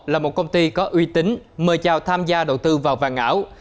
là một công ty có uy tín mời chào tham gia đầu tư vào vàng ảo